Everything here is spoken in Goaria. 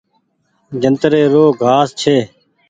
جنتري رو گآس ڇي۔